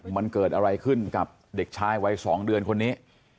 มันเกิดอะไรขึ้นกับเด็กชายวัย๒เดือนคนนี้